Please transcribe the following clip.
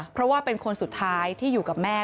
เพราะว่าเป็นคนสุดท้ายที่อยู่กับแม่